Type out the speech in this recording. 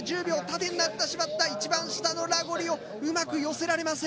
縦になってしまった一番下のラゴリをうまく寄せられません。